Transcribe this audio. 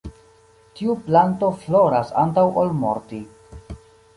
Tiu planto floras antaŭ ol morti.